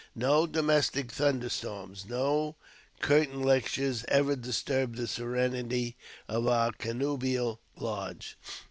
No domestic thunder storms, no curtain lectures ever disturbed the serenity of our connubial lodge.